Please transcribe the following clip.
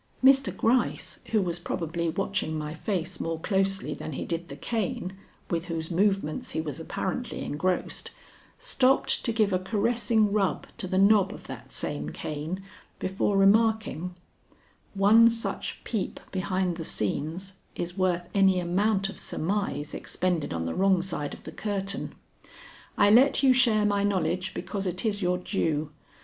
Mr. Gryce, who was probably watching my face more closely than he did the cane with whose movements he was apparently engrossed, stopped to give a caressing rub to the knob of that same cane before remarking: "One such peep behind the scenes is worth any amount of surmise expended on the wrong side of the curtain. I let you share my knowledge because it is your due.